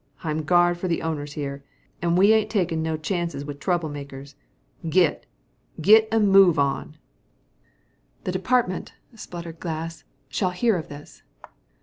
I'm guard for the owners here, and we ain't takin' no chances wit' trouble makers git. Git a move on!" "The department," spluttered Glass, "shall hear of this."